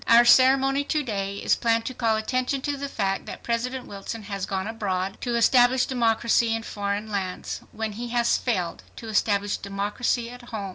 . "Our ceremony to day is planned to call attention to the fact that President Wilson has gone abroad to establish democracy in foreign lands when he has failed to establish democracy at home.